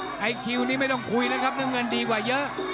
ไอบริเวณรอยแข่งนี้ไม่ต้องคุยนะครับนังเงินดีกว่าเยอะ